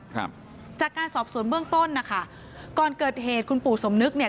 ครับจากการสอบสวนเบื้องต้นนะคะก่อนเกิดเหตุคุณปู่สมนึกเนี่ย